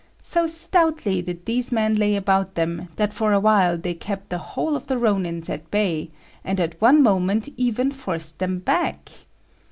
So stoutly did these men lay about them that for a while they kept the whole of the Rônins at bay, and at one moment even forced them back.